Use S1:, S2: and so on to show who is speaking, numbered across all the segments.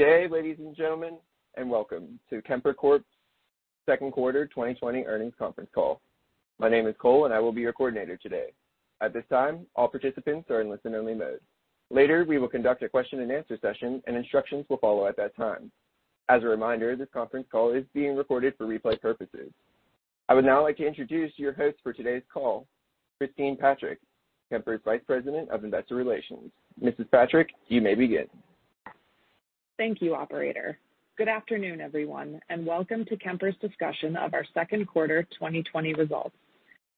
S1: Good day, ladies and gentlemen, and welcome to Kemper Corp's second quarter 2020 earnings conference call. My name is Cole, and I will be your coordinator today. At this time, all participants are in listen only mode. Later, we will conduct a question and answer session and instructions will follow at that time. As a reminder, this conference call is being recorded for replay purposes. I would now like to introduce your host for today's call, Christine Patrick, Kemper's Vice President of Investor Relations. Mrs. Patrick, you may begin.
S2: Thank you, operator. Good afternoon, everyone, and welcome to Kemper's discussion of our second quarter 2020 results.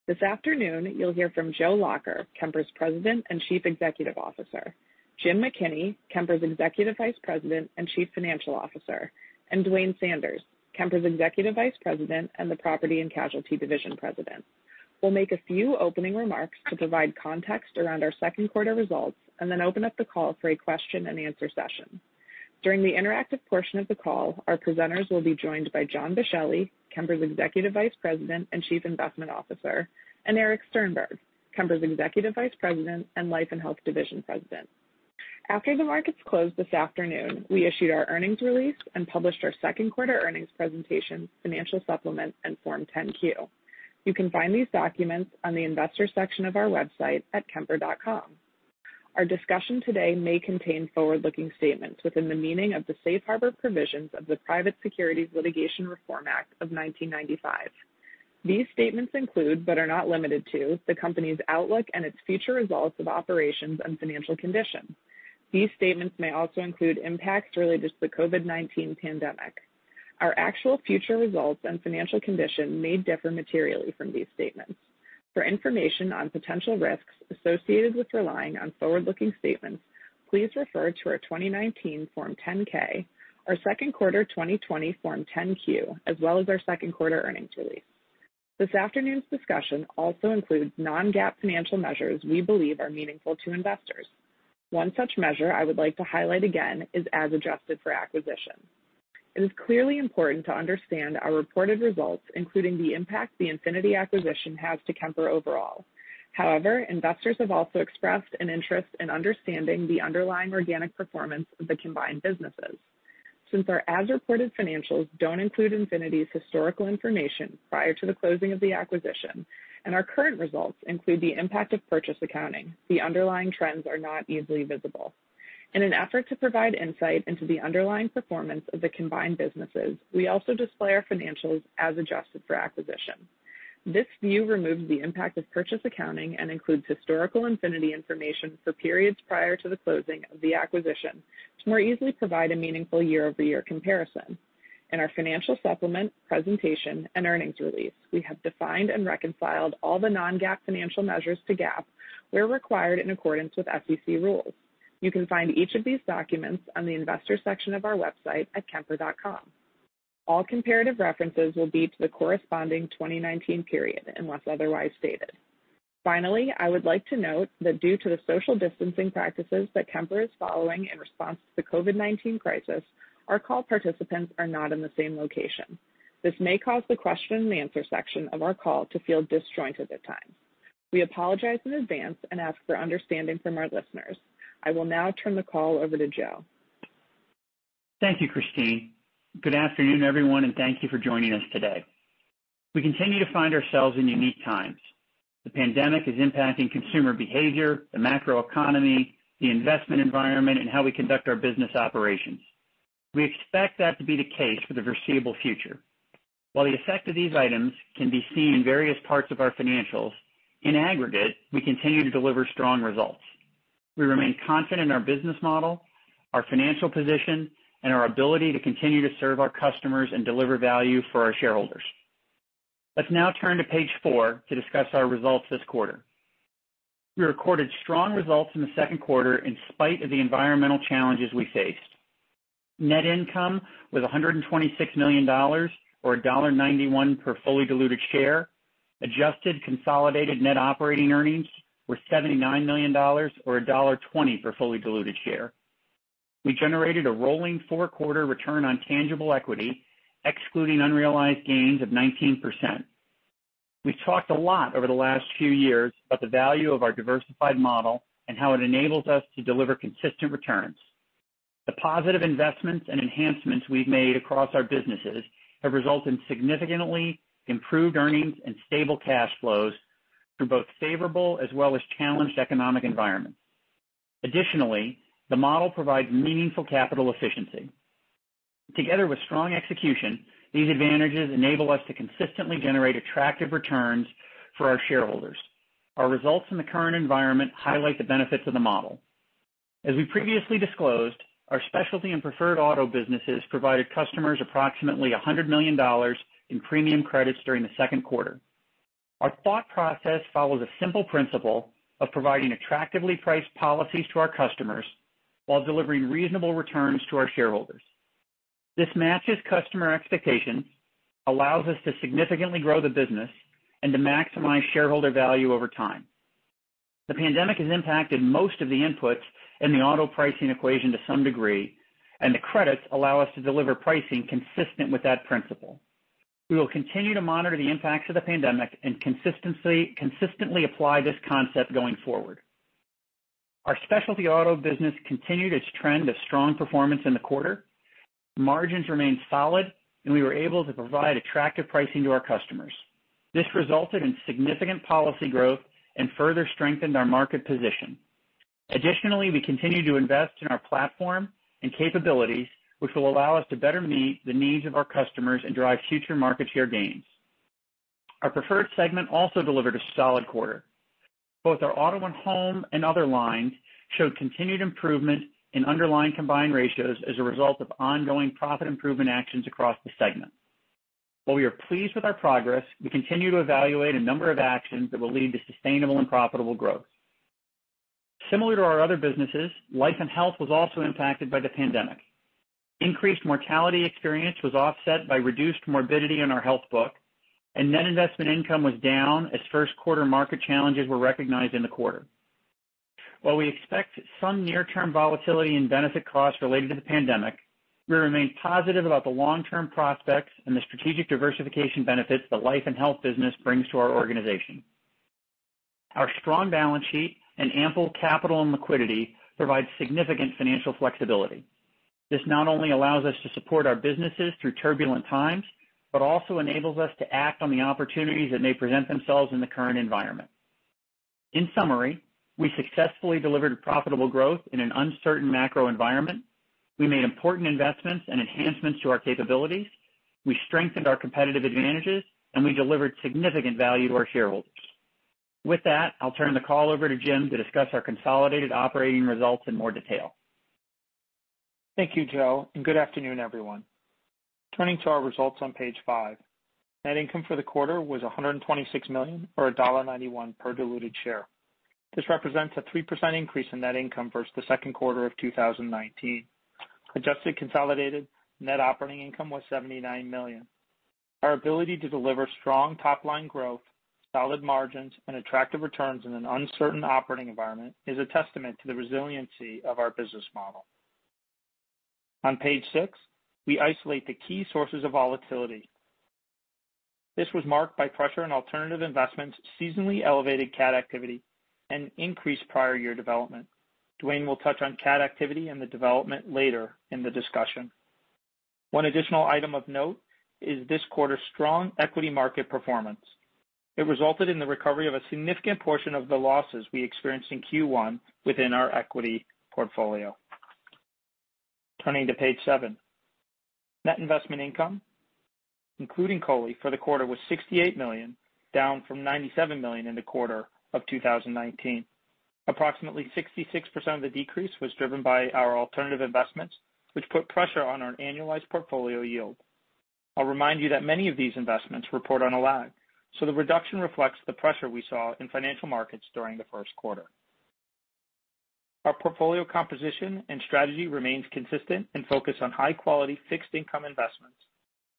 S2: This afternoon, you'll hear from Joe Lacher, Kemper's President and Chief Executive Officer, Jim McKinney, Kemper's Executive Vice President and Chief Financial Officer, and Duane Sanders, Kemper's Executive Vice President and the Property & Casualty Division President. We'll make a few opening remarks to provide context around our second quarter results and then open up the call for a question and answer session. During the interactive portion of the call, our presenters will be joined by John Boschelli, Kemper's Executive Vice President and Chief Investment Officer, and Erich Sternberg, Kemper's Executive Vice President and Life & Health Division President. After the markets closed this afternoon, we issued our earnings release and published our second quarter earnings presentation, financial supplement and Form 10-Q. You can find these documents on the investor section of our website at kemper.com. Our discussion today may contain forward-looking statements within the meaning of the safe harbor provisions of the Private Securities Litigation Reform Act of 1995. These statements include, but are not limited to, the company's outlook and its future results of operations and financial condition. These statements may also include impacts related to the COVID-19 pandemic. Our actual future results and financial condition may differ materially from these statements. For information on potential risks associated with relying on forward-looking statements, please refer to our 2019 Form 10-K, our second quarter 2020 Form 10-Q, as well as our second quarter earnings release. This afternoon's discussion also includes non-GAAP financial measures we believe are meaningful to investors. One such measure I would like to highlight again is as adjusted for acquisition. It is clearly important to understand our reported results, including the impact the Infinity acquisition has to Kemper overall. However, investors have also expressed an interest in understanding the underlying organic performance of the combined businesses. Since our as-reported financials don't include Infinity's historical information prior to the closing of the acquisition and our current results include the impact of purchase accounting, the underlying trends are not easily visible. In an effort to provide insight into the underlying performance of the combined businesses, we also display our financials as adjusted for acquisition. This view removes the impact of purchase accounting and includes historical Infinity information for periods prior to the closing of the acquisition to more easily provide a meaningful year-over-year comparison. In our financial supplement, presentation, and earnings release, we have defined and reconciled all the non-GAAP financial measures to GAAP where required in accordance with SEC rules. You can find each of these documents on the investor section of our website at kemper.com. All comparative references will be to the corresponding 2019 period unless otherwise stated. Finally, I would like to note that due to the social distancing practices that Kemper is following in response to the COVID-19 crisis, our call participants are not in the same location. This may cause the question and answer section of our call to feel disjoint at times. We apologize in advance and ask for understanding from our listeners. I will now turn the call over to Joe.
S3: Thank you, Christine. Good afternoon, everyone, thank you for joining us today. We continue to find ourselves in unique times. The pandemic is impacting consumer behavior, the macroeconomy, the investment environment, and how we conduct our business operations. We expect that to be the case for the foreseeable future. While the effect of these items can be seen in various parts of our financials, in aggregate, we continue to deliver strong results. We remain confident in our business model, our financial position, and our ability to continue to serve our customers and deliver value for our shareholders. Let's now turn to page four to discuss our results this quarter. We recorded strong results in the second quarter in spite of the environmental challenges we faced. Net income was $126 million, or $1.91 per fully diluted share. Adjusted consolidated net operating earnings were $79 million, or $1.20 per fully diluted share. We generated a rolling four-quarter return on tangible equity excluding unrealized gains of 19%. We've talked a lot over the last few years about the value of our diversified model and how it enables us to deliver consistent returns. The positive investments and enhancements we've made across our businesses have resulted in significantly improved earnings and stable cash flows through both favorable as well as challenged economic environments. Additionally, the model provides meaningful capital efficiency. Together with strong execution, these advantages enable us to consistently generate attractive returns for our shareholders. Our results in the current environment highlight the benefits of the model. As we previously disclosed, our Specialty and Preferred Auto businesses provided customers approximately $100 million in premium credits during the second quarter. Our thought process follows a simple principle of providing attractively priced policies to our customers while delivering reasonable returns to our shareholders. This matches customer expectations, allows us to significantly grow the business, and to maximize shareholder value over time. The pandemic has impacted most of the inputs in the auto pricing equation to some degree. The credits allow us to deliver pricing consistent with that principle. We will continue to monitor the impacts of the pandemic and consistently apply this concept going forward. Our Specialty Auto business continued its trend of strong performance in the quarter. Margins remained solid. We were able to provide attractive pricing to our customers. This resulted in significant policy growth and further strengthened our market position. Additionally, we continue to invest in our platform and capabilities, which will allow us to better meet the needs of our customers and drive future market share gains. Our Preferred Segment also delivered a solid quarter. Both our auto and home and other lines showed continued improvement in underlying combined ratios as a result of ongoing profit improvement actions across the segment. While we are pleased with our progress, we continue to evaluate a number of actions that will lead to sustainable and profitable growth. Similar to our other businesses, Life and Health was also impacted by the pandemic. Increased mortality experience was offset by reduced morbidity in our health book, and net investment income was down as first quarter market challenges were recognized in the quarter. While we expect some near-term volatility in benefit costs related to the pandemic, we remain positive about the long-term prospects and the strategic diversification benefits the Life & Health business brings to our organization. Our strong balance sheet and ample capital and liquidity provide significant financial flexibility. This not only allows us to support our businesses through turbulent times, but also enables us to act on the opportunities that may present themselves in the current environment. In summary, we successfully delivered profitable growth in an uncertain macro environment, we made important investments and enhancements to our capabilities, we strengthened our competitive advantages, and we delivered significant value to our shareholders. With that, I'll turn the call over to Jim to discuss our consolidated operating results in more detail.
S4: Thank you, Joe, and good afternoon, everyone. Turning to our results on page five. Net income for the quarter was $126 million, or $1.91 per diluted share. This represents a 3% increase in net income versus the second quarter of 2019. Adjusted consolidated net operating income was $79 million. Our ability to deliver strong top-line growth, solid margins, and attractive returns in an uncertain operating environment is a testament to the resiliency of our business model. On page six, we isolate the key sources of volatility. This was marked by pressure in alternative investments, seasonally elevated cat activity, and increased prior year development. Duane will touch on cat activity and the development later in the discussion. One additional item of note is this quarter's strong equity market performance. It resulted in the recovery of a significant portion of the losses we experienced in Q1 within our equity portfolio. Turning to page seven. Net investment income, including COLI, for the quarter was $68 million, down from $97 million in the quarter of 2019. Approximately 66% of the decrease was driven by our alternative investments, which put pressure on our annualized portfolio yield. I'll remind you that many of these investments report on a lag, so the reduction reflects the pressure we saw in financial markets during the first quarter. Our portfolio composition and strategy remains consistent and focused on high-quality fixed income investments.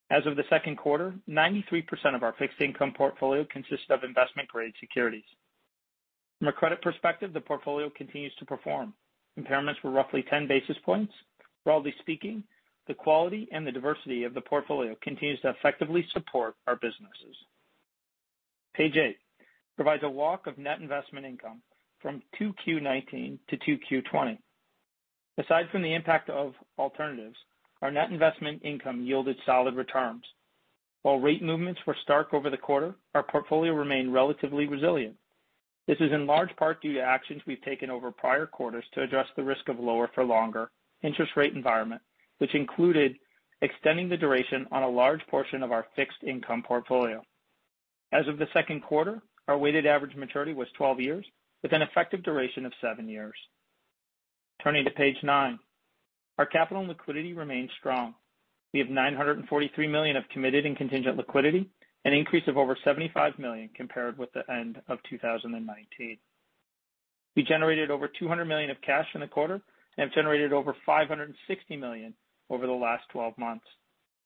S4: As of the second quarter, 93% of our fixed income portfolio consists of investment-grade securities. From a credit perspective, the portfolio continues to perform. Impairments were roughly 10 basis points. Broadly speaking, the quality and the diversity of the portfolio continues to effectively support our businesses. Page eight provides a walk of net investment income from 2Q 19 to 2Q 20. Aside from the impact of alternatives, our net investment income yielded solid returns. While rate movements were stark over the quarter, our portfolio remained relatively resilient. This is in large part due to actions we've taken over prior quarters to address the risk of lower for longer interest rate environment, which included extending the duration on a large portion of our fixed income portfolio. As of the second quarter, our weighted average maturity was 12 years with an effective duration of seven years. Turning to page nine. Our capital and liquidity remains strong. We have $943 million of committed and contingent liquidity, an increase of over $75 million compared with the end of 2019. We generated over $200 million of cash in the quarter and have generated over $560 million over the last 12 months.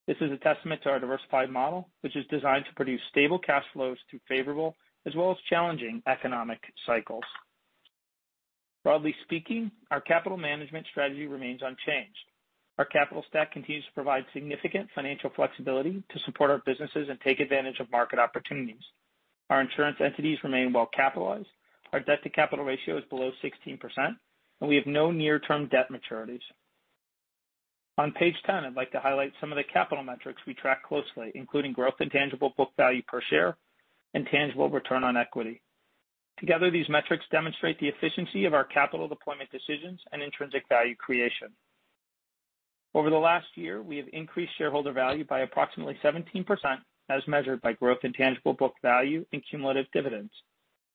S4: This is a testament to our diversified model, which is designed to produce stable cash flows through favorable as well as challenging economic cycles. Broadly speaking, our capital management strategy remains unchanged. Our capital stack continues to provide significant financial flexibility to support our businesses and take advantage of market opportunities. Our insurance entities remain well capitalized, our debt-to-capital ratio is below 16%, and we have no near-term debt maturities. On page 10, I'd like to highlight some of the capital metrics we track closely, including growth in tangible book value per share and tangible return on equity. Together, these metrics demonstrate the efficiency of our capital deployment decisions and intrinsic value creation. Over the last year, we have increased shareholder value by approximately 17%, as measured by growth in tangible book value and cumulative dividends.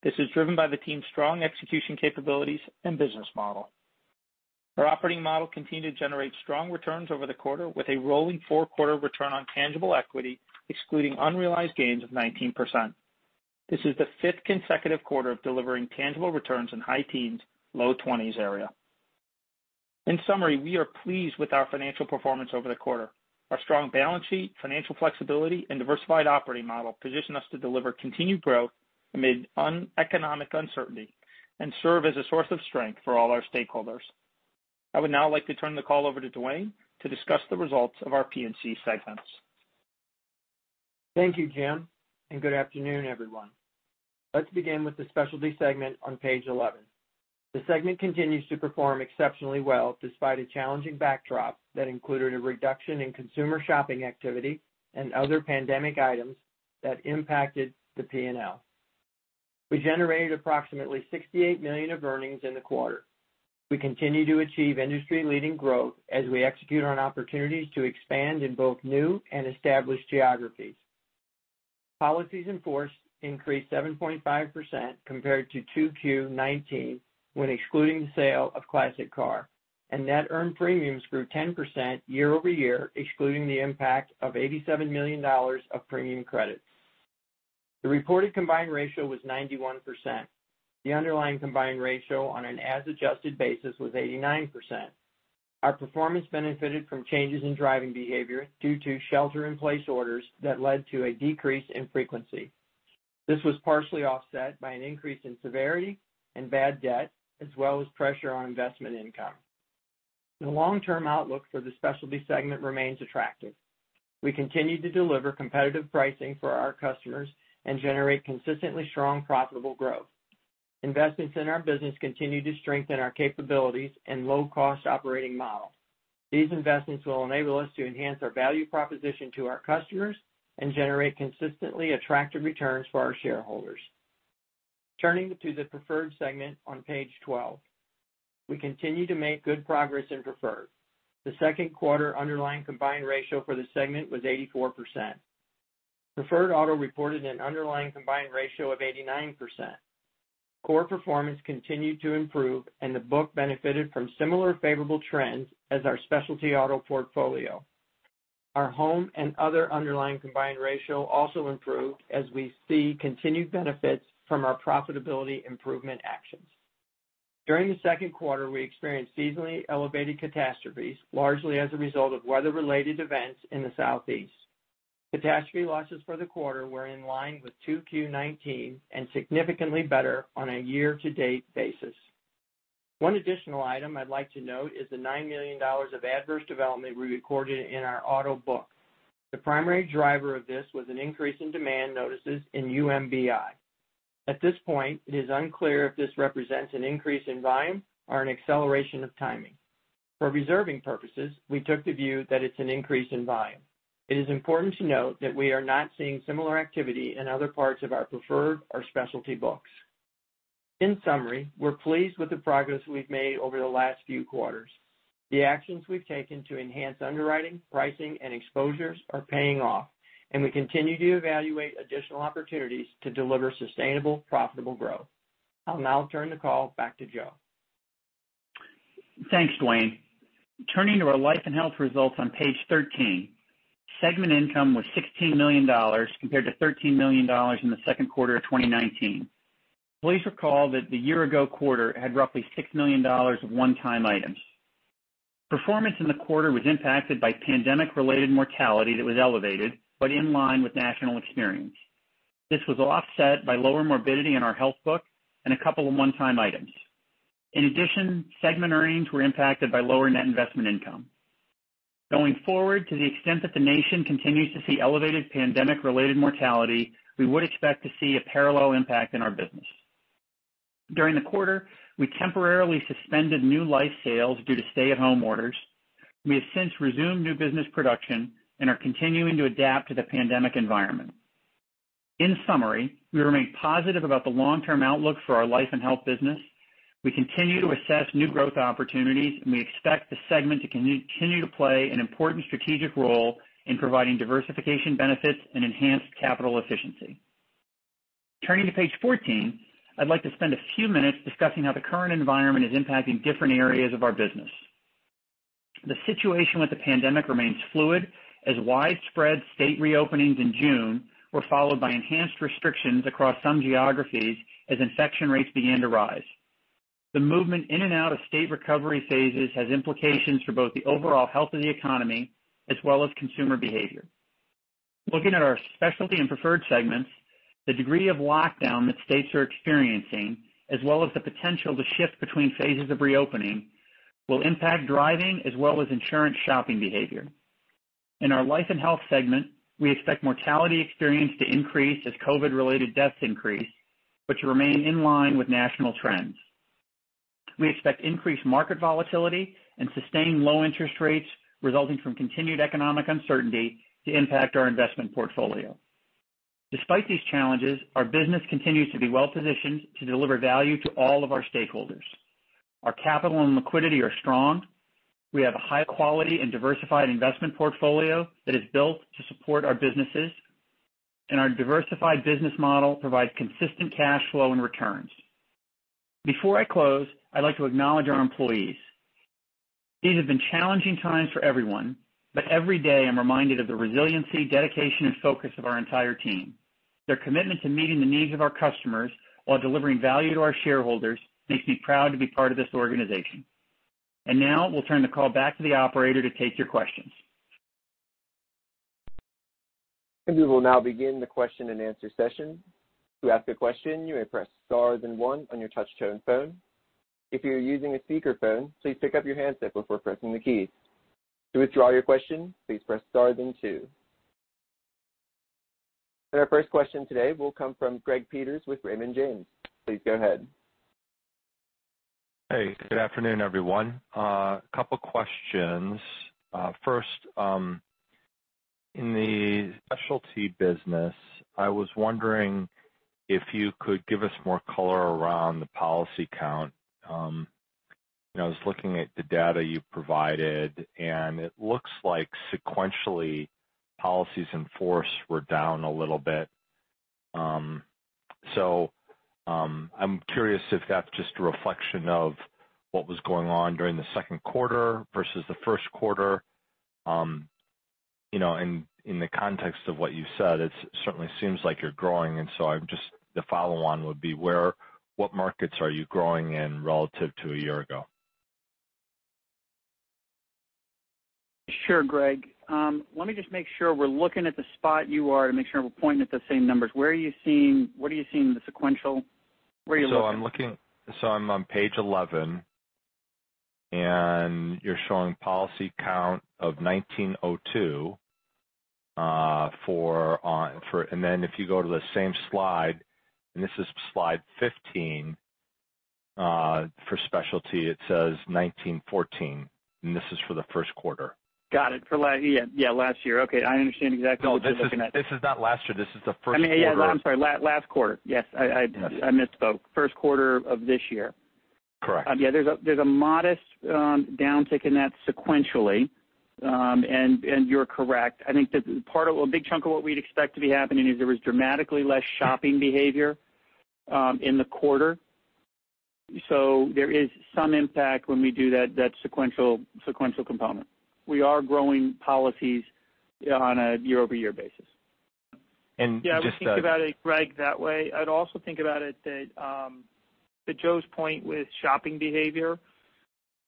S4: This is driven by the team's strong execution capabilities and business model. Our operating model continued to generate strong returns over the quarter with a rolling four-quarter return on tangible equity, excluding unrealized gains of 19%. This is the fifth consecutive quarter of delivering tangible returns in high teens, low 20s area. In summary, we are pleased with our financial performance over the quarter. Our strong balance sheet, financial flexibility, and diversified operating model position us to deliver continued growth amid economic uncertainty and serve as a source of strength for all our stakeholders.
S3: I would now like to turn the call over to Duane to discuss the results of our P&C segments.
S5: Thank you, Jim. Good afternoon, everyone. Let's begin with the Specialty segment on page 11. The segment continues to perform exceptionally well, despite a challenging backdrop that included a reduction in consumer shopping activity and other pandemic items that impacted the P&L. We generated approximately $68 million of earnings in the quarter. We continue to achieve industry-leading growth as we execute on opportunities to expand in both new and established geographies. Policies in force increased 7.5% compared to 2Q 2019, when excluding the sale of Classic Collectors, and net earned premiums grew 10% year-over-year, excluding the impact of $87 million of premium credits. The reported combined ratio was 91%. The underlying combined ratio on an as adjusted basis was 89%. Our performance benefited from changes in driving behavior due to shelter in place orders that led to a decrease in frequency. This was partially offset by an increase in severity and bad debt, as well as pressure on investment income. The long-term outlook for the Specialty segment remains attractive. We continue to deliver competitive pricing for our customers and generate consistently strong, profitable growth. Investments in our business continue to strengthen our capabilities and low-cost operating model. These investments will enable us to enhance our value proposition to our customers and generate consistently attractive returns for our shareholders. Turning to the Preferred segment on page 12. We continue to make good progress in Preferred. The second quarter underlying combined ratio for the segment was 84%. Preferred Auto reported an underlying combined ratio of 89%. Core performance continued to improve, and the book benefited from similar favorable trends as our Specialty Auto portfolio. Our Home and other underlying combined ratio also improved as we see continued benefits from our profitability improvement actions. During the second quarter, we experienced seasonally elevated catastrophes, largely as a result of weather-related events in the Southeast. Catastrophe losses for the quarter were in line with 2Q 2019 and significantly better on a year-to-date basis. One additional item I'd like to note is the $9 million of adverse development we recorded in our Auto book. The primary driver of this was an increase in demand notices in UMBI. At this point, it is unclear if this represents an increase in volume or an acceleration of timing. For reserving purposes, we took the view that it's an increase in volume. It is important to note that we are not seeing similar activity in other parts of our Preferred or Specialty books. In summary, we're pleased with the progress we've made over the last few quarters. The actions we've taken to enhance underwriting, pricing, and exposures are paying off, and we continue to evaluate additional opportunities to deliver sustainable, profitable growth. I'll now turn the call back to Joe.
S3: Thanks, Duane. Turning to our Life & Health results on page 13, segment income was $16 million compared to $13 million in the second quarter of 2019. Please recall that the year-ago quarter had roughly $6 million of one-time items. Performance in the quarter was impacted by pandemic-related mortality that was elevated, but in line with national experience. This was offset by lower morbidity in our health book and a couple of one-time items. Segment earnings were impacted by lower net investment income. Going forward, to the extent that the nation continues to see elevated pandemic-related mortality, we would expect to see a parallel impact in our business. During the quarter, we temporarily suspended new life sales due to stay-at-home orders. We have since resumed new business production and are continuing to adapt to the pandemic environment. In summary, we remain positive about the long-term outlook for our Life & Health business. We continue to assess new growth opportunities, we expect the segment to continue to play an important strategic role in providing diversification benefits and enhanced capital efficiency. Turning to page 14, I'd like to spend a few minutes discussing how the current environment is impacting different areas of our business. The situation with the pandemic remains fluid, as widespread state reopenings in June were followed by enhanced restrictions across some geographies as infection rates began to rise. The movement in and out of state recovery phases has implications for both the overall health of the economy as well as consumer behavior. Looking at our Specialty and Preferred segments, the degree of lockdown that states are experiencing, as well as the potential to shift between phases of reopening, will impact driving as well as insurance shopping behavior. In our Life & Health segment, we expect mortality experience to increase as COVID-19-related deaths increase, but to remain in line with national trends. We expect increased market volatility and sustained low interest rates resulting from continued economic uncertainty to impact our investment portfolio. Despite these challenges, our business continues to be well positioned to deliver value to all of our stakeholders. Our capital and liquidity are strong. We have a high quality and diversified investment portfolio that is built to support our businesses, and our diversified business model provides consistent cash flow and returns. Before I close, I'd like to acknowledge our employees. These have been challenging times for everyone, but every day, I'm reminded of the resiliency, dedication, and focus of our entire team. Their commitment to meeting the needs of our customers while delivering value to our shareholders makes me proud to be part of this organization. Now we'll turn the call back to the operator to take your questions.
S1: We will now begin the question and answer session. To ask a question, you may press star then one on your touch-tone phone. If you're using a speakerphone, please pick up your handset before pressing the key. To withdraw your question, please press star then two. Our first question today will come from Gregory Peters with Raymond James. Please go ahead.
S6: Hey, good afternoon, everyone. A couple questions. First, in the Specialty Auto business, I was wondering if you could give us more color around the policy count. I was looking at the data you provided. It looks like sequentially, policies in force were down a little bit. I'm curious if that's just a reflection of what was going on during the second quarter versus the first quarter. In the context of what you've said, it certainly seems like you're growing. The follow on would be, what markets are you growing in relative to a year ago?
S3: Sure, Greg. Let me just make sure we're looking at the spot you are to make sure we're pointing at the same numbers. Where are you seeing the sequential? Where are you looking?
S6: I'm on page 11, and you're showing policy count of 1,902. If you go to the same slide, and this is slide 15, for Specialty, it says 1,914, and this is for the first quarter.
S3: Got it. Yeah. Last year. Okay, I understand exactly what you're looking at.
S6: No, this is not last year. This is the first quarter.
S3: I'm sorry, last quarter. Yes, I misspoke. First quarter of this year.
S6: Correct.
S3: Yeah. There's a modest downtick in that sequentially. You're correct. I think a big chunk of what we'd expect to be happening is there was dramatically less shopping behavior in the quarter. There is some impact when we do that sequential component. We are growing policies on a year-over-year basis.
S6: And just-
S4: Yeah, I would think about it, Greg, that way. I'd also think about it that to Joe's point with shopping behavior,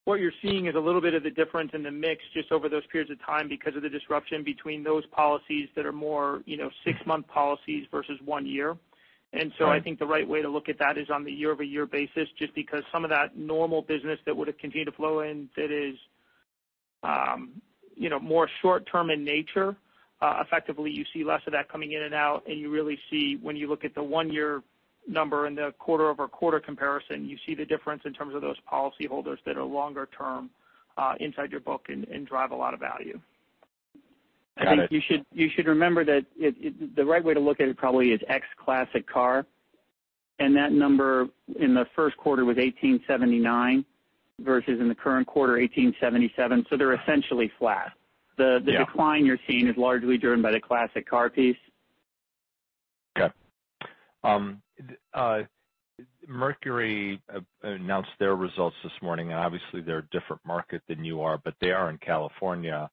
S4: what you're seeing is a little bit of the difference in the mix just over those periods of time because of the disruption between those policies that are more six-month policies versus one year. I think the right way to look at that is on the year-over-year basis, just because some of that normal business that would've continued to flow in that is more short-term in nature, effectively, you see less of that coming in and out, and you really see when you look at the one-year number and the quarter-over-quarter comparison, you see the difference in terms of those policy holders that are longer term inside your book and drive a lot of value.
S6: Got it.
S3: You should remember that the right way to look at it probably is ex classic car, that number in the first quarter was 1879 versus in the current quarter, 1877. They're essentially flat.
S6: Yeah.
S3: The decline you're seeing is largely driven by the classic car piece.
S6: Mercury announced their results this morning, and obviously they're a different market than you are, but they are in California.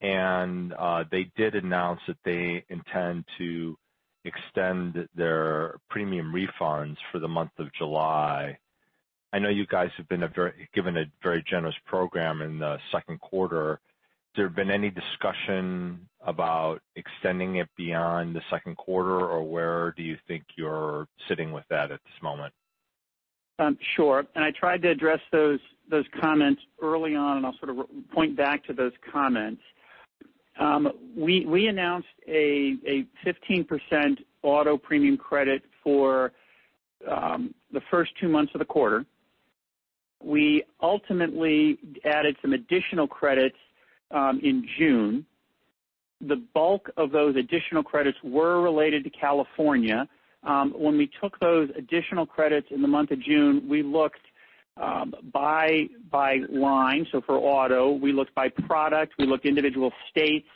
S6: They did announce that they intend to extend their premium refunds for the month of July. I know you guys have given a very generous program in the second quarter. Has there been any discussion about extending it beyond the second quarter, or where do you think you're sitting with that at this moment?
S3: Sure. I tried to address those comments early on, and I'll sort of point back to those comments. We announced a 15% auto premium credit for the first two months of the quarter. We ultimately added some additional credits in June. The bulk of those additional credits were related to California. When we took those additional credits in the month of June, we looked by line, so for auto, we looked by product, we looked individual states,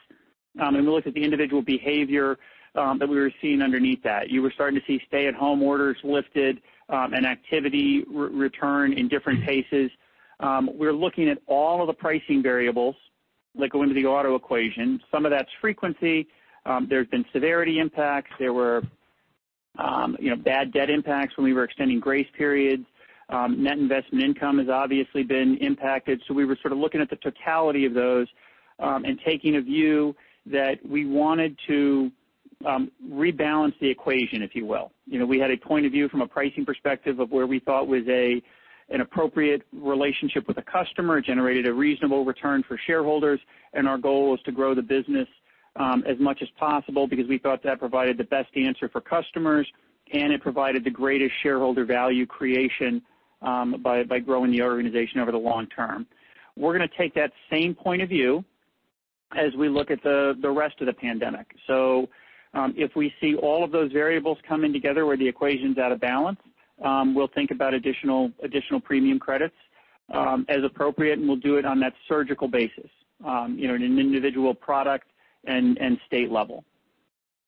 S3: and we looked at the individual behavior that we were seeing underneath that. You were starting to see stay-at-home orders lifted, and activity return in different paces. We're looking at all of the pricing variables that go into the auto equation. Some of that's frequency. There's been severity impacts. There were bad debt impacts when we were extending grace periods. Net investment income has obviously been impacted. We were sort of looking at the totality of those, and taking a view that we wanted to rebalance the equation, if you will. We had a point of view from a pricing perspective of where we thought was an appropriate relationship with a customer. It generated a reasonable return for shareholders, and our goal was to grow the business as much as possible because we thought that provided the best answer for customers, and it provided the greatest shareholder value creation by growing the organization over the long term. We're going to take that same point of view as we look at the rest of the pandemic. If we see all of those variables coming together where the equation's out of balance, we'll think about additional premium credits as appropriate, and we'll do it on that surgical basis, in an individual product and state level.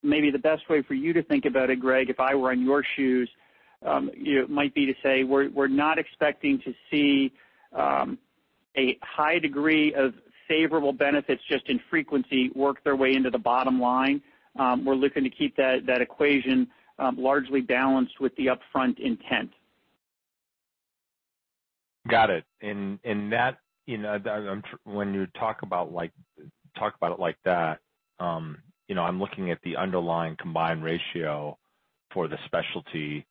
S3: Maybe the best way for you to think about it, Greg, if I were in your shoes, might be to say we're not expecting to see a high degree of favorable benefits just in frequency work their way into the bottom line. We're looking to keep that equation largely balanced with the upfront intent.
S6: Got it. When you talk about it like that, I'm looking at the underlying combined ratio for the Specialty,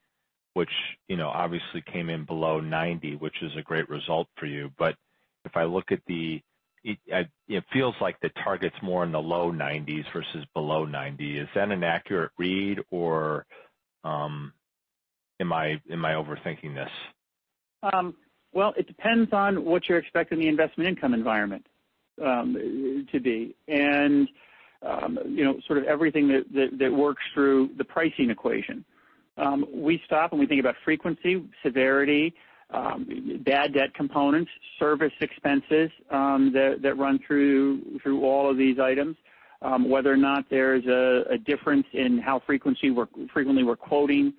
S6: which obviously came in below 90, which is a great result for you. If I look at It feels like the target's more in the low 90s versus below 90. Is that an accurate read, or am I overthinking this?
S3: Well, it depends on what you expect in the investment income environment to be, and sort of everything that works through the pricing equation. We stop and we think about frequency, severity, bad debt components, service expenses that run through all of these items, whether or not there's a difference in how frequently we're quoting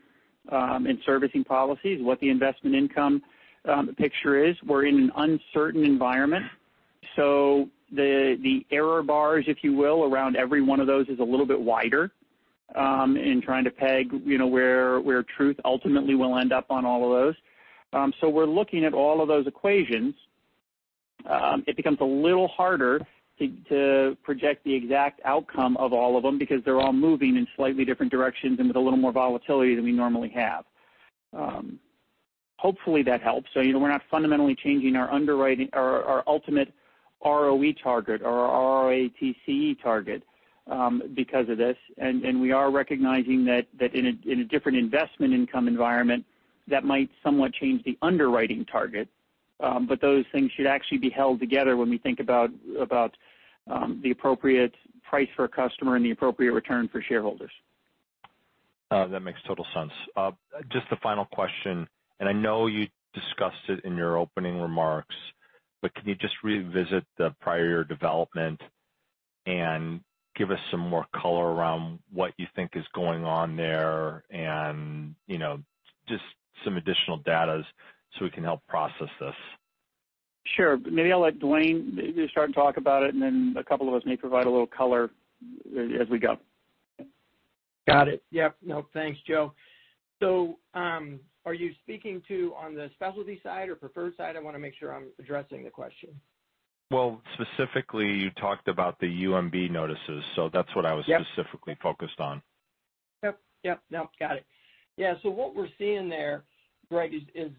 S3: and servicing policies, what the investment income picture is. We're in an uncertain environment. The error bars, if you will, around every one of those is a little bit wider in trying to peg where truth ultimately will end up on all of those. We're looking at all of those equations. It becomes a little harder to project the exact outcome of all of them because they're all moving in slightly different directions and with a little more volatility than we normally have. Hopefully that helps. We're not fundamentally changing our ultimate ROE target or our ROATCE target because of this. We are recognizing that in a different investment income environment, that might somewhat change the underwriting target. Those things should actually be held together when we think about the appropriate price for a customer and the appropriate return for shareholders.
S6: That makes total sense. Just a final question, and I know you discussed it in your opening remarks, but can you just revisit the prior year development and give us some more color around what you think is going on there and just some additional data so we can help process this?
S3: Sure. Maybe I'll let Duane start and talk about it, and then a couple of us may provide a little color as we go.
S5: Got it. Yep. Thanks, Joe. Are you speaking to on the Specialty side or Preferred side? I want to make sure I'm addressing the question.
S6: Well, specifically, you talked about the UMB notices.
S5: Yep
S6: Specifically focused on.
S5: Yep. Got it. Yeah. What we're seeing there, Greg, is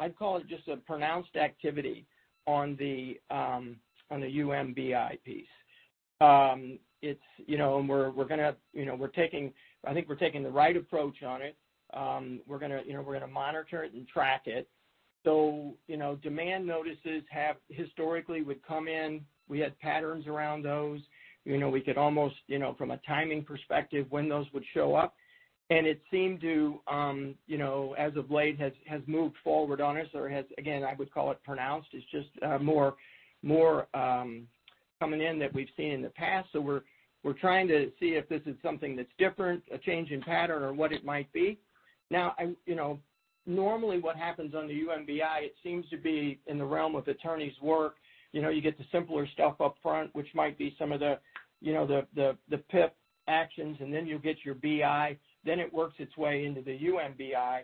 S5: I'd call it just a pronounced activity on the UMBI piece. I think we're taking the right approach on it. We're going to monitor it and track it. Demand notices historically would come in. We had patterns around those. We could almost, from a timing perspective, when those would show up. It seemed to, as of late, has moved forward on us or has, again, I would call it pronounced. It's just more coming in that we've seen in the past. We're trying to see if this is something that's different, a change in pattern or what it might be. Normally what happens on the UMBI, it seems to be in the realm of attorney's work. You get the simpler stuff upfront, which might be some of the PIP actions, and then you'll get your BI, then it works its way into the UMBI.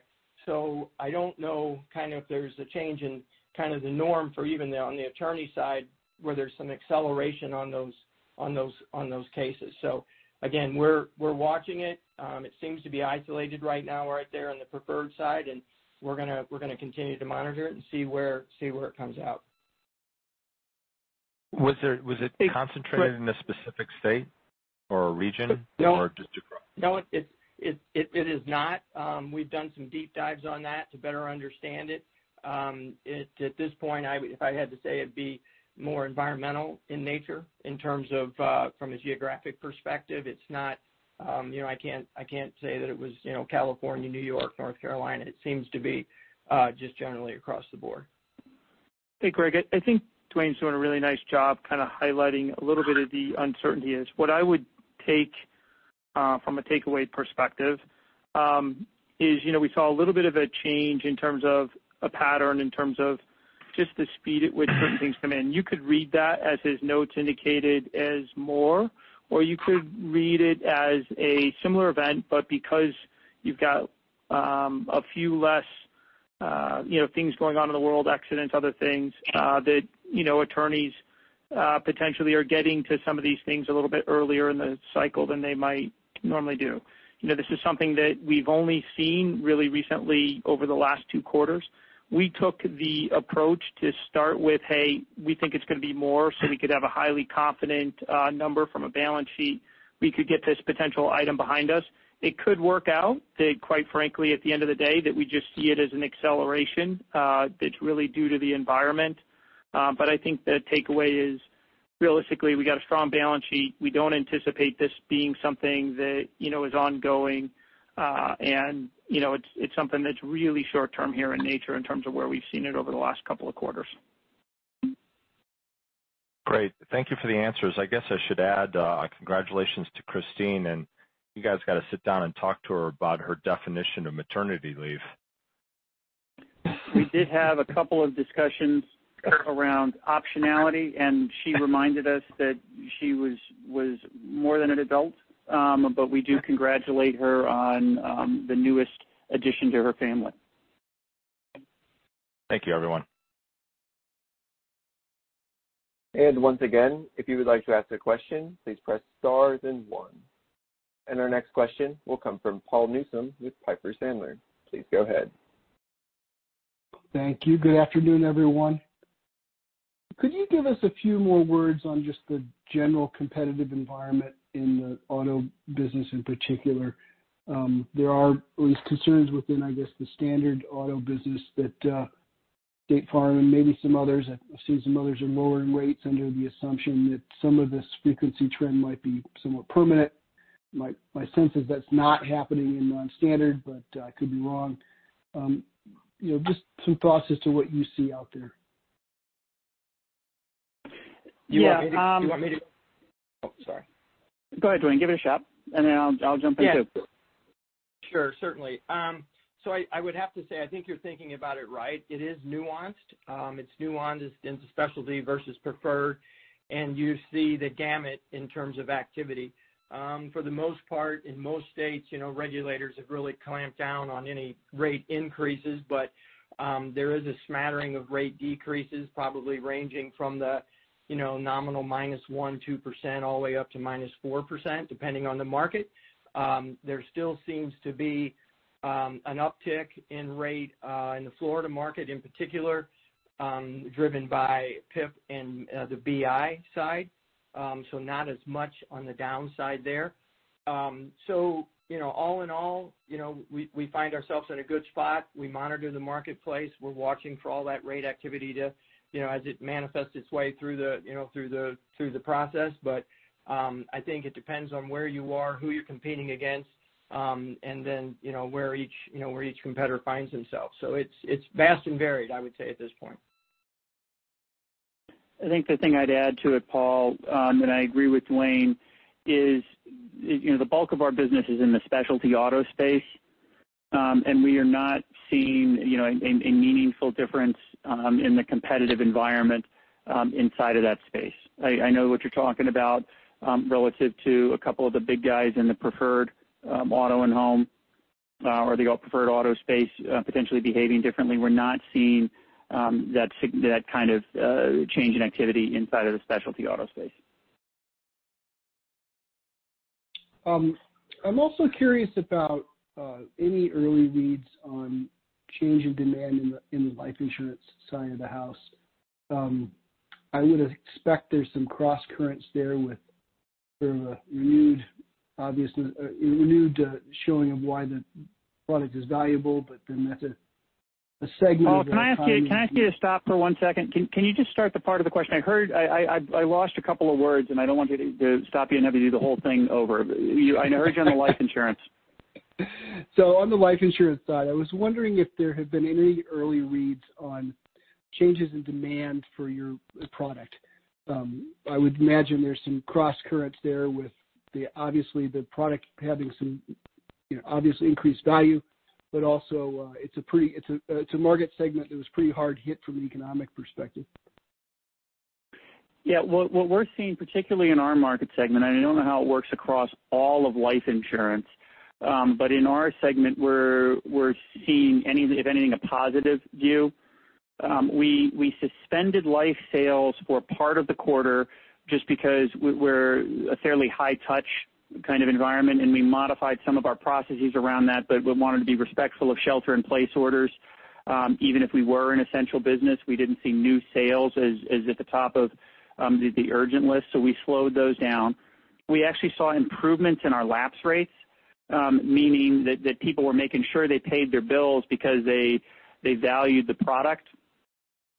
S5: I don't know if there's a change in the norm for even on the attorney side, where there's some acceleration on those cases. Again, we're watching it. It seems to be isolated right now, right there on the preferred side, and we're going to continue to monitor it and see where it comes out.
S6: Was it concentrated in a specific state or a region?
S5: No.
S6: Just across?
S5: No, it is not. We've done some deep dives on that to better understand it. At this point, if I had to say, it'd be more environmental in nature in terms of from a geographic perspective. I can't say that it was California, New York, North Carolina. It seems to be just generally across the board.
S3: Hey, Greg. I think Duane's doing a really nice job highlighting a little bit of the uncertainty is. What I would take from a takeaway perspective is we saw a little bit of a change in terms of a pattern, in terms of just the speed at which certain things come in. You could read that, as his notes indicated, as more, or you could read it as a similar event, but because you've got a few less things going on in the world, accidents, other things, that attorneys potentially are getting to some of these things a little bit earlier in the cycle than they might normally do. This is something that we've only seen really recently over the last two quarters. We took the approach to start with, hey, we think it's going to be more, so we could have a highly confident number from a balance sheet. We could get this potential item behind us. It could work out that, quite frankly, at the end of the day, that we just see it as an acceleration that's really due to the environment. I think the takeaway is, realistically, we got a strong balance sheet. We don't anticipate this being something that is ongoing. It's something that's really short-term here in nature in terms of where we've seen it over the last couple of quarters.
S6: Great. Thank you for the answers. I guess I should add a congratulations to Christine, and you guys got to sit down and talk to her about her definition of maternity leave.
S3: We did have a couple of discussions around optionality, and she reminded us that she was more than an adult. We do congratulate her on the newest addition to her family.
S5: Thank you, everyone.
S1: Once again, if you would like to ask a question, please press star then one. Our next question will come from Paul Newsome with Piper Sandler. Please go ahead.
S7: Thank you. Good afternoon, everyone. Could you give us a few more words on just the general competitive environment in the auto business in particular? There are at least concerns within, I guess, the standard auto business that State Farm and maybe some others, I see some others are lowering rates under the assumption that some of this frequency trend might be somewhat permanent. My sense is that's not happening in non-standard, but I could be wrong. Just some thoughts as to what you see out there.
S3: Yeah.
S5: Do you want me to. Oh, sorry.
S3: Go ahead, Duane. Give it a shot, and then I'll jump in, too.
S5: Sure, certainly. I would have to say, I think you're thinking about it right. It is nuanced. It's nuanced into Specialty Auto versus Preferred Auto, and you see the gamut in terms of activity. For the most part, in most states, regulators have really clamped down on any rate increases. There is a smattering of rate decreases, probably ranging from the nominal -1% to -4%, depending on the market. There still seems to be an uptick in rate in the Florida market in particular, driven by PIP and the BI side. Not as much on the downside there. All in all, we find ourselves in a good spot. We monitor the marketplace. We're watching for all that rate activity as it manifests its way through the process. I think it depends on where you are, who you're competing against, and then where each competitor finds themselves. It's vast and varied, I would say, at this point.
S3: I think the thing I'd add to it, Paul, and I agree with Duane, is the bulk of our business is in the Specialty Auto space. We are not seeing a meaningful difference in the competitive environment inside of that space. I know what you're talking about relative to a couple of the big guys in the Preferred Auto and home, or the Preferred Auto space potentially behaving differently. We're not seeing that kind of change in activity inside of the Specialty Auto space.
S7: I'm also curious about any early reads on change in demand in the life insurance side of the house. I would expect there's some cross-currents there with sort of a renewed showing of why the product is valuable, but then that's a segment of.
S3: Paul, can I ask you to stop for one second? Can you just start the part of the question I heard? I lost a couple of words, and I don't want to stop you and have you do the whole thing over. I heard you on the life insurance.
S7: On the life insurance side, I was wondering if there had been any early reads on changes in demand for your product. I would imagine there's some cross-currents there with, obviously, the product having some obviously increased value, but also it's a market segment that was pretty hard hit from an economic perspective.
S3: Yeah. What we're seeing, particularly in our market segment, I don't know how it works across all of life insurance, in our segment, we're seeing, if anything, a positive view. We suspended life sales for part of the quarter just because we're a fairly high touch kind of environment, we modified some of our processes around that. We wanted to be respectful of shelter in place orders. Even if we were an essential business, we didn't see new sales as at the top of the urgent list. We slowed those down. We actually saw improvements in our lapse rates, meaning that people were making sure they paid their bills because they valued the product.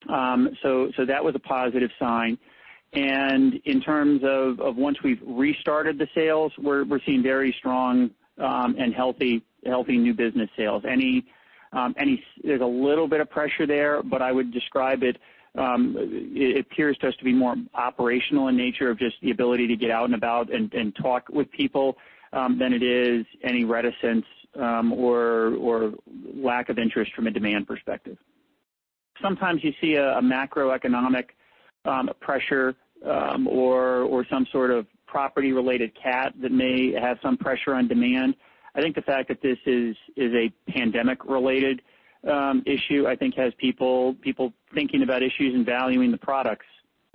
S3: That was a positive sign. In terms of once we've restarted the sales, we're seeing very strong and healthy new business sales. There's a little bit of pressure there, but I would describe it appears to us to be more operational in nature of just the ability to get out and about and talk with people, than it is any reticence or lack of interest from a demand perspective. Sometimes you see a macroeconomic pressure or some sort of property-related cat that may have some pressure on demand. I think the fact that this is a pandemic-related issue, I think has people thinking about issues and valuing the products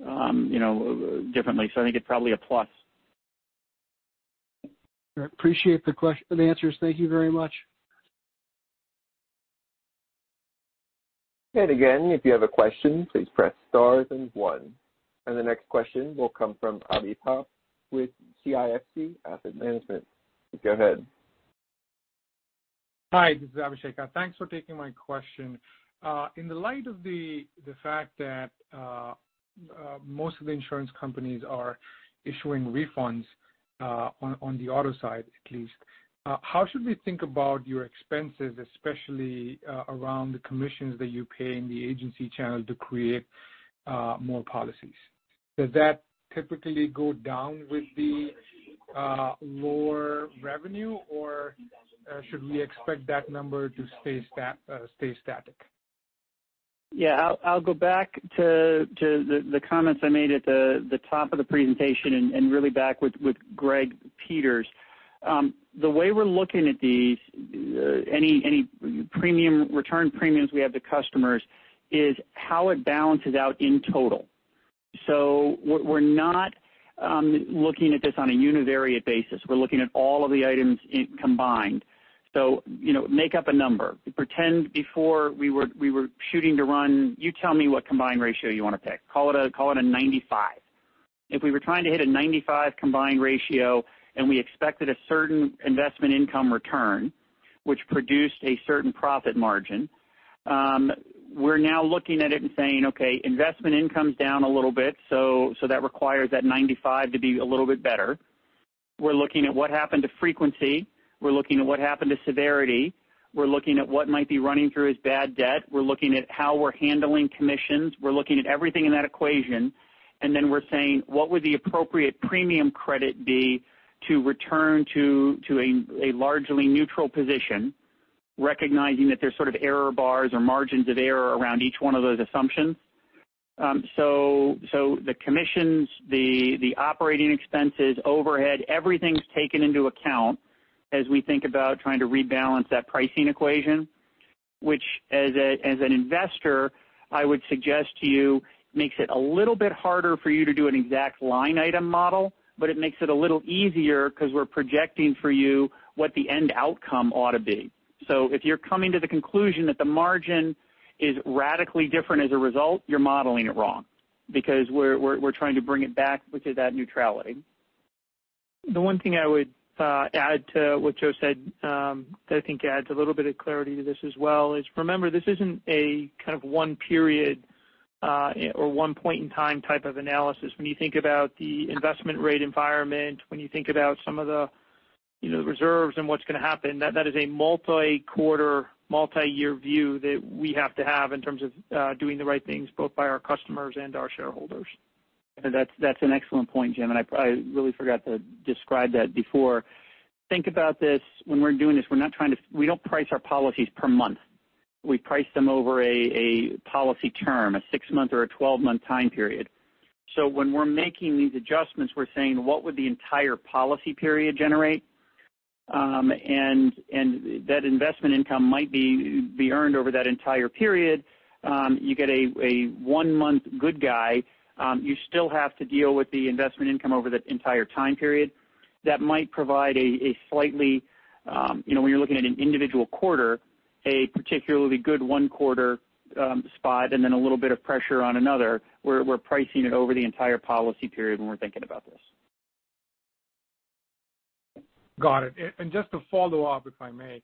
S3: differently. I think it's probably a plus.
S7: I appreciate the answers. Thank you very much.
S1: Again, if you have a question, please press star then one. The next question will come from Abhishek with CIFC Asset Management. Go ahead.
S8: Hi, this is Abhishek. Thanks for taking my question. In the light of the fact that most of the insurance companies are issuing refunds on the auto side, at least, how should we think about your expenses, especially around the commissions that you pay in the agency channel to create more policies? Does that typically go down with the lower revenue or should we expect that number to stay static?
S3: Yeah. I'll go back to the comments I made at the top of the presentation and really back with Gregory Peters. The way we're looking at these, any return premiums we have to customers, is how it balances out in total. We're not looking at this on a univariate basis. We're looking at all of the items combined. Make up a number. Pretend before we were shooting to run, you tell me what combined ratio you want to pick. Call it a 95. If we were trying to hit a 95 combined ratio and we expected a certain investment income return, which produced a certain profit margin, we're now looking at it and saying, okay, investment income's down a little bit, so that requires that 95 to be a little bit better. We're looking at what happened to frequency. We're looking at what happened to severity. We're looking at what might be running through as bad debt. We're looking at how we're handling commissions. We're looking at everything in that equation. We're saying, what would the appropriate premium credit be to return to a largely neutral position, recognizing that there's sort of error bars or margins of error around each one of those assumptions? The commissions, the operating expenses, overhead, everything's taken into account as we think about trying to rebalance that pricing equation, which, as an investor, I would suggest to you makes it a little bit harder for you to do an exact line item model, but it makes it a little easier because we're projecting for you what the end outcome ought to be. If you're coming to the conclusion that the margin is radically different as a result, you're modeling it wrong because we're trying to bring it back to that neutrality.
S4: The one thing I would add to what Joe said, that I think adds a little bit of clarity to this as well, is remember, this isn't a kind of one period or one point in time type of analysis. When you think about the investment rate environment, when you think about some of the reserves and what's going to happen, that is a multi-quarter, multi-year view that we have to have in terms of doing the right things, both by our customers and our shareholders.
S3: That's an excellent point, Jim, and I really forgot to describe that before. Think about this. When we're doing this, we don't price our policies per month. We price them over a policy term, a six-month or a 12-month time period. When we're making these adjustments, we're saying, what would the entire policy period generate? That investment income might be earned over that entire period. You get a one-month good guy, you still have to deal with the investment income over the entire time period. That might provide a slightly, when you're looking at an individual quarter, a particularly good one-quarter spot and then a little bit of pressure on another. We're pricing it over the entire policy period when we're thinking about this.
S8: Got it. Just to follow up, if I may.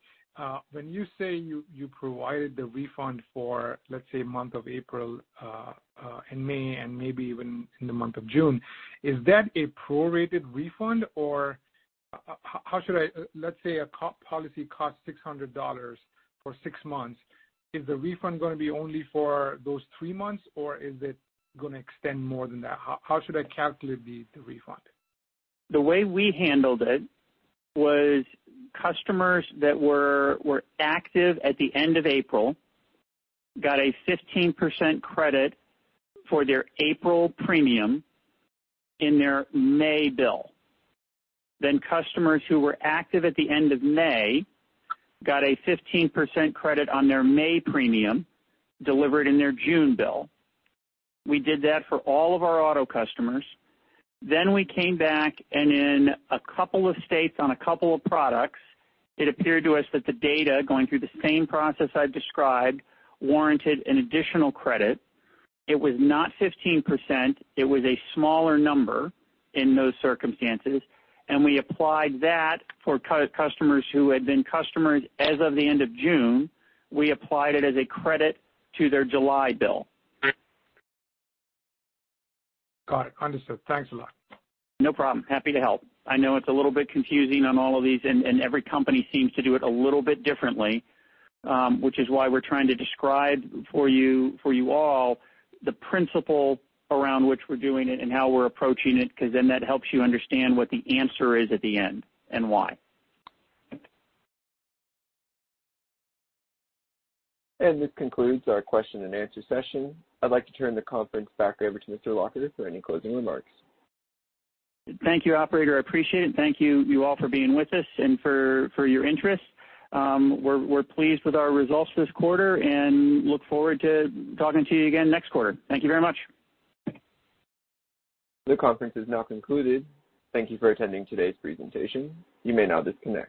S8: When you say you provided the refund for, let's say, month of April and May and maybe even in the month of June, is that a prorated refund? Let's say a policy costs $600 for six months. Is the refund going to be only for those three months, or is it going to extend more than that? How should I calculate the refund?
S3: The way we handled it was customers that were active at the end of April got a 15% credit for their April premium in their May bill. Customers who were active at the end of May got a 15% credit on their May premium delivered in their June bill. We did that for all of our auto customers. We came back and in a couple of states on a couple of products, it appeared to us that the data going through the same process I've described warranted an additional credit. It was not 15%. It was a smaller number in those circumstances, and we applied that for customers who had been customers as of the end of June. We applied it as a credit to their July bill.
S8: Got it. Understood. Thanks a lot.
S3: No problem. Happy to help. I know it's a little bit confusing on all of these, and every company seems to do it a little bit differently, which is why we're trying to describe for you all the principle around which we're doing it and how we're approaching it, because then that helps you understand what the answer is at the end and why.
S1: This concludes our question and answer session. I'd like to turn the conference back over to Mr. Lacher for any closing remarks.
S3: Thank you, operator. I appreciate it. Thank you all for being with us and for your interest. We're pleased with our results this quarter and look forward to talking to you again next quarter. Thank you very much.
S1: The conference is now concluded. Thank you for attending today's presentation. You may now disconnect.